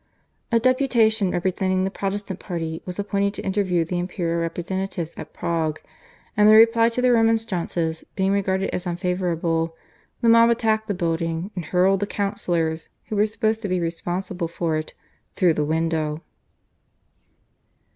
A deputation representing the Protestant party was appointed to interview the imperial representatives at Prague, and the reply to their remonstrances being regarded as unfavourable, the mob attacked the building, and hurled the councillors who were supposed to be responsible for it through the windows.